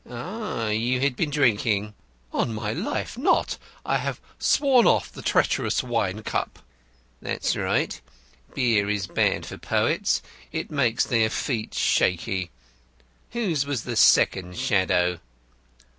"Ah, you had been drinking." "On my life, not. I have sworn off the treacherous wine cup." "That's right. Beer is bad for poets. It makes their feet shaky. Whose was the second shadow?"